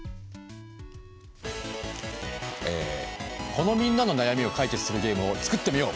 このみんなの悩みを解決するゲームを創ってみよう！